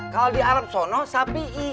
kalau di arab sono safi'i